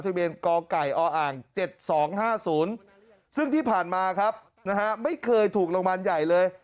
ทะเบียนกกออ๗๒๕๐ซึ่งที่ผ่านมาครับไม่เคยถูกรางวัลใหญ่เลย